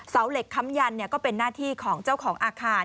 เสาเหล็กค้ำยันก็เป็นหน้าที่ของเจ้าของอาคาร